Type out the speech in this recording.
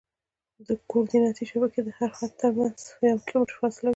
د کورډیناتي شبکې د هر خط ترمنځ یو کیلومتر فاصله وي